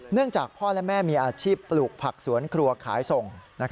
จากพ่อและแม่มีอาชีพปลูกผักสวนครัวขายส่ง